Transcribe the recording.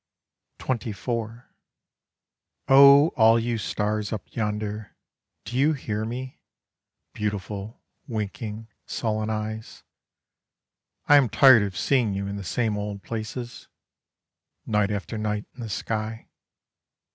XXIV O all you stars up yonder, Do you hear me? Beautiful, winking, sullen eyes, I am tired of seeing you in the same old places, Night after night in the sky.